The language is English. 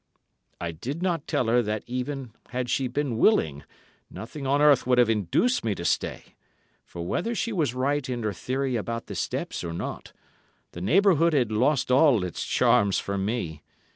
I did not tell her that even had she been willing, nothing on earth would have induced me to stay, for whether she was right in her theory about the steps or not, the neighbourhood had lost all its charms for me.